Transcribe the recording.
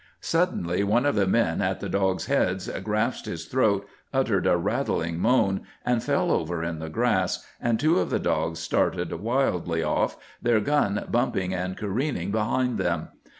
Suddenly one of the men at the dogs' heads grasped his throat, uttered a rattling moan, and fell over in the grass, and two of the dogs started wildly off, their gun bumping and careening behind them.